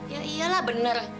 ya iyalah bener